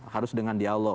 harus dengan dialog